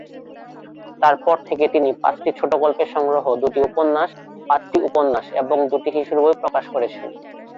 তার পর থেকে তিনি পাঁচটি ছোট গল্পের সংগ্রহ, দুটি উপন্যাস, পাঁচটি উপন্যাস এবং দুটি শিশুর বই প্রকাশ করেছেন।